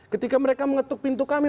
ketika mereka mengetuk pintu kami